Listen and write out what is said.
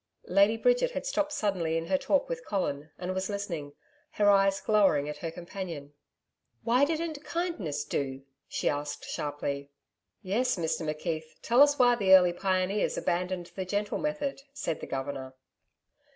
Lady Bridget had stopped suddenly in her talk with Colin, and was listening, her eyes glowering at her companion. 'Why didn't kindness do?' she asked sharply. 'Yes; Mr McKeith, tell us why the early pioneers abandoned the gentle method,' said the Governor.